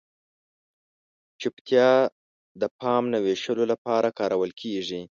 چپتیا د پام نه وېشلو لپاره کارول کیږي.